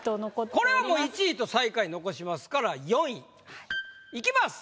これはもう１位と最下位残しますから４位。いきます。